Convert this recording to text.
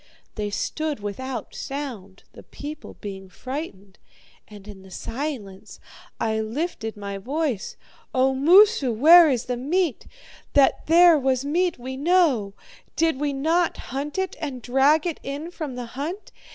They stood without sound, the people being frightened, and in the silence I lifted my voice. "O Moosu, where is the meat? That there was meat we know. Did we not hunt it and drag it in from the hunt?